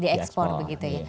diekspor begitu ya